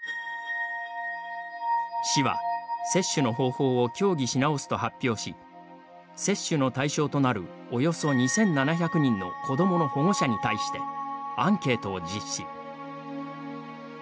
市は接種の方法を協議し直すと発表し、接種の対象となるおよそ２７００人の子どもの保護者に対してアンケートを実施。